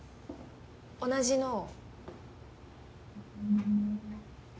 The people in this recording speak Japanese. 同じのを。